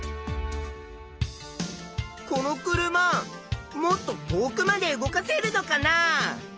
この車もっと遠くまで動かせるのかなあ？